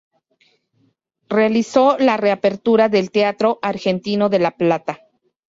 Realizó la reapertura del Teatro Argentino de La Plata.